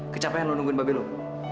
kecapean lu nungguin babil lu